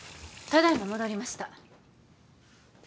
ただいま戻りました